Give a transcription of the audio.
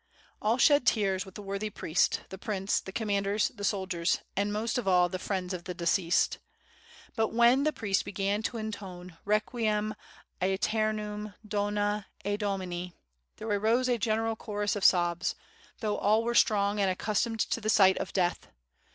All shed tears with the worthy priest, the prince, the com manders, the soldiers, and, most of all, the friends of the deceased. But when the priest began to intone '^requiem aeternam dona ei DomineV there arose a general chorus of sobs, though all were strong and accustomed to the sight of death.